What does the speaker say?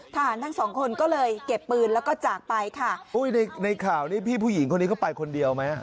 ทั้งสองคนก็เลยเก็บปืนแล้วก็จากไปค่ะอุ้ยในในข่าวนี้พี่ผู้หญิงคนนี้เข้าไปคนเดียวไหม